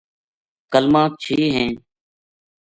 کلمہ چھہ ہیں،